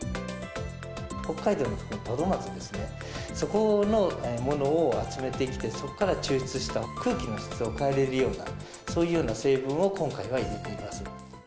北海道のトドマツですね、そこのものを集めてきて、そこから抽出した、空気の質を変えられるような、そういうような成分を今回は入れています。